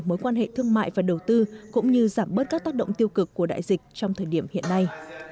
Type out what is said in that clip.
mối quan hệ thương mại và đầu tư cũng như giảm bớt các tác động tiêu cực của đại dịch trong thời điểm hiện nay